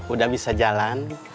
udah bisa jalan